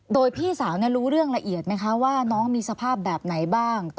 โดยพี่สาวรู้เรื่องละเอียดไหมคะว่าน้องมีสภาพแบบไหนบ้าง